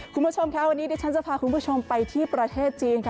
คุณผู้ชมค่ะวันนี้ดิฉันจะพาคุณผู้ชมไปที่ประเทศจีนค่ะ